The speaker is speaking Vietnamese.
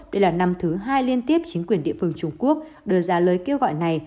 đây là năm thứ hai liên tiếp chính quyền địa phương trung quốc đưa ra lời kêu gọi này